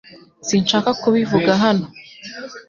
Sinshaka kubivuga hano .